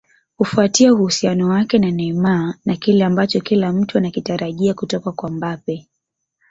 Kufuatia uhusiano wake na Neymar na kile ambacho kila mtu anakitarajia kutoka kwa Mbappe